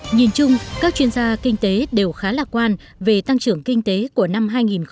nhìn chung các chuyên gia kinh tế đều khá lạc quan về tăng trưởng kinh tế của năm hai nghìn một mươi tám